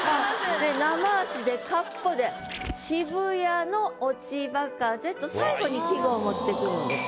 で「生脚で闊歩」で「渋谷の落葉風」と最後に季語を持ってくるんです。